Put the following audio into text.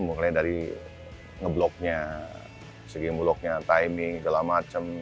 makanya dari ngebloknya segi ngebloknya timing segala macem